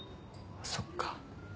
そっか。